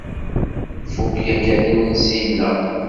Nfuk yakan imensi-nneɣ.